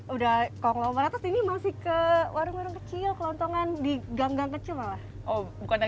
udah konglomerat tapi ini masih ke warung warung kecil kelontongan di gang gang kecil malah